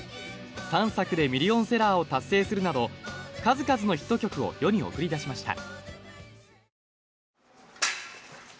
３作でミリオンセラーを達成するなど、数々のヒット曲を世に送り出しました。